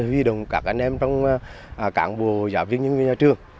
huy động các anh em trong cảng bùa giả viên những nhà trường